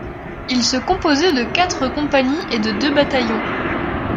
Il se composait de quatre compagnies et de deux bataillons.